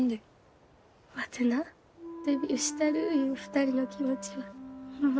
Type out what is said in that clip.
ワテなデビューしたるいう２人の気持ちはホンマ